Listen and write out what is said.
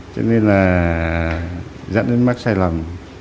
cho nên là dẫn đến mắc sai lầm